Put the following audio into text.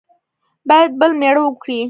باید بل مېړه وکړي.